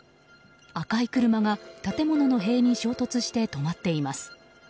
赤い車が建物の塀に衝突して止まっています。